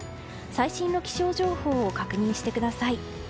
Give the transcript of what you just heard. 最新の気象情報を確認してください。